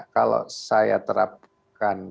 kalau saya terapkan